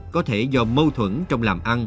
có thể do mâu thuẫn trong làm ăn